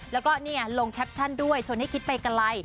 แล้วก็ลงแคปชั่นด้วยชนให้คิดไปไกล